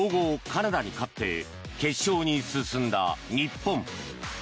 カナダに勝って決勝に進んだ日本。